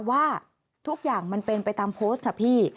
ว่าทุกอย่างมันเป็นไปตามโพสต์ค่ะพี่